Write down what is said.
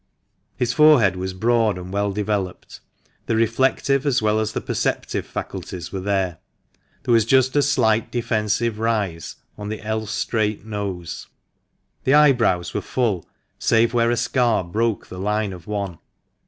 His forehead was broad and well developed ; the reflective as well as the perceptive faculties were there. There was just a slight defensive rise on the else straight nose ; the eyebrows were full save where a scar broke the line of one.